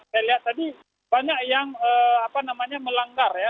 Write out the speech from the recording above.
saya lihat tadi banyak yang melanggar ya